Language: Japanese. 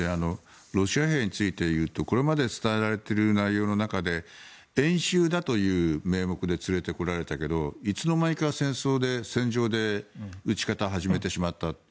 ロシア兵について言うとこれまでに伝えられている内容の中で演習だという名目で連れてこられたけどいつの間にか戦争で、戦場で撃ち方、始めてしまった。